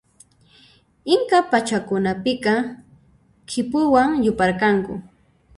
Inca pachakunapiqa khipuwan yuparqanku.